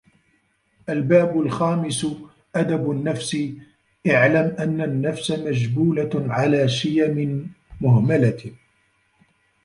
الْبَابُ الْخَامِسُ أَدَبُ النَّفْسِ اعْلَمْ أَنَّ النَّفْسَ مَجْبُولَةٌ عَلَى شِيَمٍ مُهْمَلَةٍ